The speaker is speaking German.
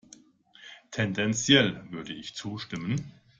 Tendenziell würde ich zustimmen.